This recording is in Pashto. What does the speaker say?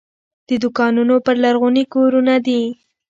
د دوکانونو پر لرغوني کورونه دي.